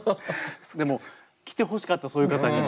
でも来てほしかったそういう方に。